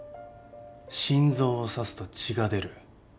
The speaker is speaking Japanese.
心臓を刺すと血が出る